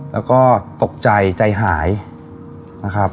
แล้วก็ตกใจใจหายนะครับ